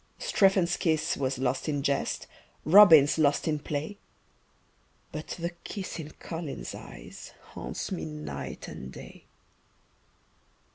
Strephon's kiss was lost in jest, Robin's lost in play, But the kiss in Colin's eyes Haunts me night and day.